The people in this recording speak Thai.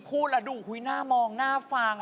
พูดแล้วดูคุยน่ามองหน้าฟัง